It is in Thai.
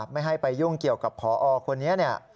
ไม่ให้ไปยุ่งเกี่ยวกับพอคนนี้